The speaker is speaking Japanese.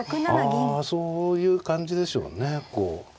あそういう感じでしょうね。